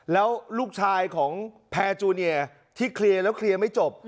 แล้วลูกชายของแพรจูเนียที่เคลียร์แล้วเคลียร์ไม่จบ